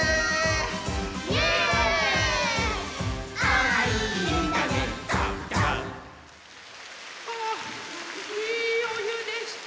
ああいいおゆでした！